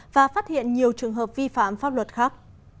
và phát hiện nhiều trường hợp vi phạm pháp luật khác